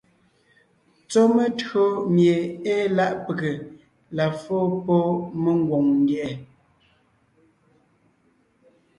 Tsɔ́ metÿǒ mie ée láʼ pege la fó pɔ́ mengwòŋ ndyɛ̀ʼɛ.